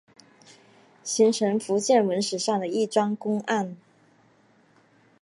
形成福建文史上的一桩公案。